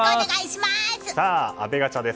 阿部ガチャです。